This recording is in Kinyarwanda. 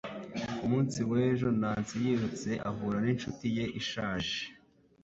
Ku munsi w'ejo Nancy yirutse ahura n'inshuti ye ishaje